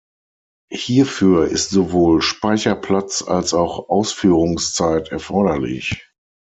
Hierfür ist sowohl Speicherplatz als auch Ausführungszeit erforderlich.